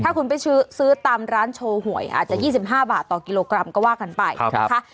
ถ้าคุณไปซื้อซื้อตามร้านโชว์หวยอาจจะยี่สิบห้าบาทต่อกิโลกรัมก็ว่ากันไปครับครับ